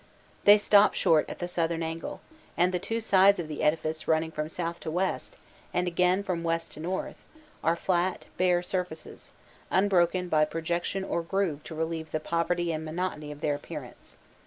They stop short at the southern angle, and the two sides of the edifice running from south to west, and again from west to north, are flat, bare surfaces, unbroken by projection or groove to relieve the poverty and monotony of their appearance.